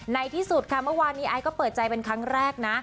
ในที่สุดค่ะเมื่อวานนี้ไอซ์ก็เปิดใจเป็นครั้งแรกนะ